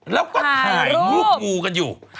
แล้วก็ถ่ายรูปงูกันอยู่